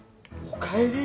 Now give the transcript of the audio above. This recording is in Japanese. おかえり。